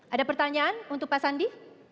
ada pertanyaan untuk pak sandi